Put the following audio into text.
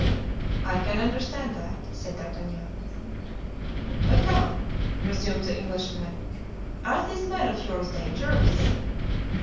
"I can understand that," said D'Artagnan. "But, come," resumed the Englishman, "are these men of yours dangerous?"